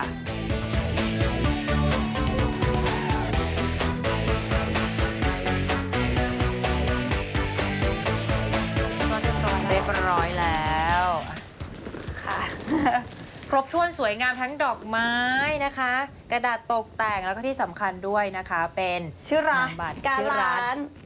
เรียบร้อยแล้วพรบทวนสวยงามทั้งดอกไม้นะคะกระดาษโต๊คแต่งแล้วก็ที่สำคัญด้วยนะคะเป็นชื่อร้านการร้าน